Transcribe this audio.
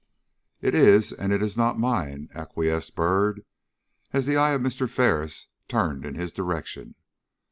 "It is and it is not mine," acquiesced Byrd, as the eye of Mr. Ferris turned in his direction.